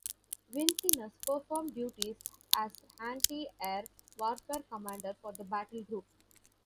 "Vincennes" performed duties as anti-air warfare commander for the battle group.